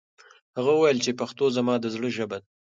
هغه وویل چې پښتو زما د زړه ژبه ده.